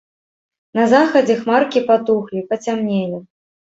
На захадзе хмаркі патухлі, пацямнелі.